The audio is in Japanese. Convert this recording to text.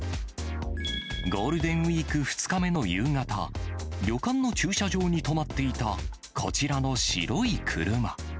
ゴールデンウィーク２日目の夕方、旅館の駐車場に止まっていたこちらの白い車。